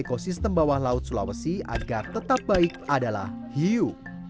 ekosistem bawah laut sulawesi agar tetap baik adalah hiu